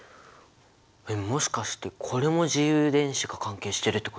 えっもしかしてこれも自由電子が関係してるってこと？